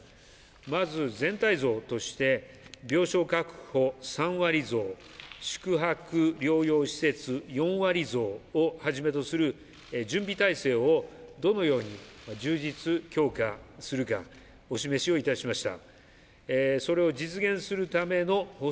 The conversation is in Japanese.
まず全体像として、病床確保３割増、宿泊療養施設４割増をはじめとする準備体制をどのように充実・強化するかお示しをいたしました。